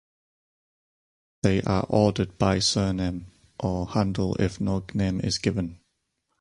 They are ordered by surname, or handle if no name is given.